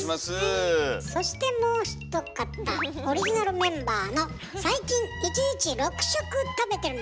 そしてもう一方オリジナルメンバーの最近１日６食食べてるのね。